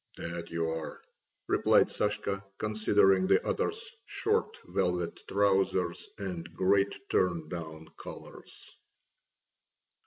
"That you are!" replied Sashka, considering the other's short velvet trousers and great turndown collars.